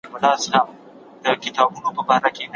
ښځه او خاوند باید یو بل ته ځان سينګار کړي.